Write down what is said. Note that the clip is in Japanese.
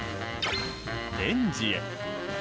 レンジへ。